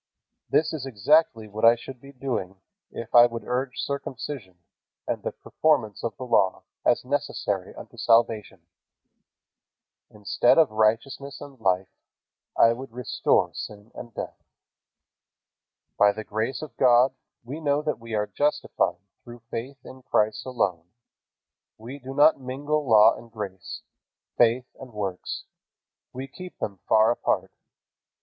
This is exactly what I should be doing, if I would urge circumcision and the performance of the Law as necessary unto salvation. Instead of righteousness and life, I would restore sin and death." By the grace of God we know that we are justified through faith in Christ alone. We do not mingle law and grace, faith and works. We keep them far apart.